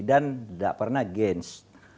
dan tidak pernah gans